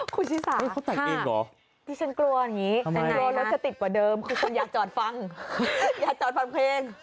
คุณชิสาค่ะที่ฉันกลัวอย่างนี้ฉันอยากจอดฟังอยากจอดฟังเพลง